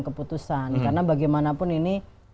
keputusan karena bagaimanapun ini